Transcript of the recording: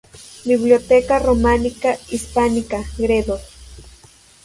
Biblioteca Románica Hispánica, Gredos.